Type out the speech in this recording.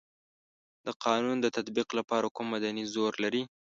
د قانون د تطبیق لپاره کوم مدني زور لري.